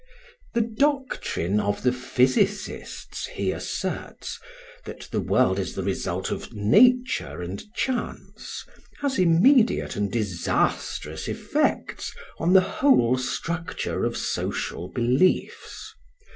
The doctrine of the physicists, he asserts, that the world is the result of "nature and chance" has immediate and disastrous effects on the whole structure of social beliefs.